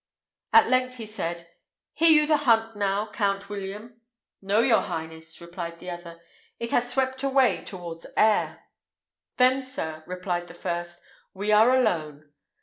At length he said, "Hear you the hunt now, Count William?" "No, your highness," replied the other; "it has swept away towards Aire." "Then, sir," rejoined the first, "we are alone!"